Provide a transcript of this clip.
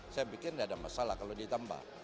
saya pikir tidak ada masalah kalau ditambah